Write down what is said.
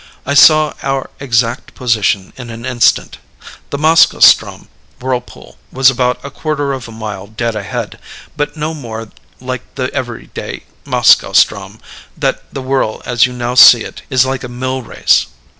I saw our exact position in an instant. The Moskoe ström whirlpool was about a quarter of a mile dead ahead, but no more like the every day Moskoe ström than the whirl as you now see it is like a mill race.